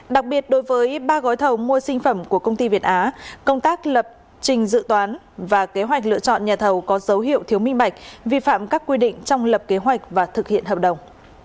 đặc biệt đối với ba gói thầu mua sinh phẩm của công ty việt á công tác lập trình dự toán và kế hoạch lựa chọn nhà thầu có dấu hiệu thiếu minh bạch vi phạm các quy định trong lập kế hoạch và thực hiện hợp đồng